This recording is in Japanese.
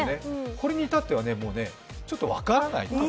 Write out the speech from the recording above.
これに至っては、ちょっと分からない。